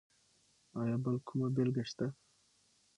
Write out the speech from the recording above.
ایا بل کومه بېلګه شته؟